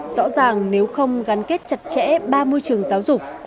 rõ ràng nếu không gắn kết chặt chẽ ba môi trường giáo dục